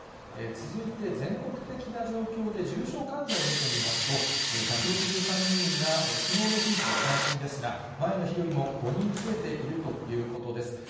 続いて、全国的な状況で、重症患者を見てみますと、１６３人が、きのうの数値で最新ですが、前の日よりも５人増えているということです。